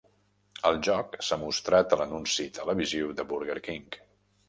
El joc s'ha mostrat a l'anunci televisiu de Burger King.